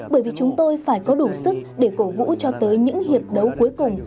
bởi vì chúng tôi phải có đủ sức để cổ vũ cho tới những hiệp đấu cuối cùng